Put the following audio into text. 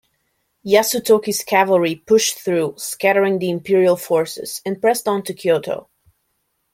Yasutoki's cavalry pushed through, scattering the Imperial forces, and pressed on to Kyoto.